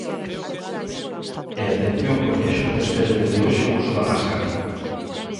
E atención porque a Xunta estende desde hoxe o uso da máscara.